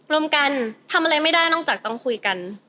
รวมกันทำอะไรไม่ได้นอกจากต้องคุยกัน